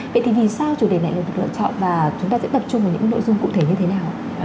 vậy thì vì sao chủ đề này được lựa chọn và chúng ta sẽ tập trung vào những nội dung cụ thể như thế nào